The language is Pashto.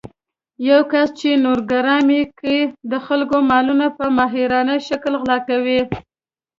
یو کس چې نورګرام کې يې د خلکو مالونه په ماهرانه شکل غلا کول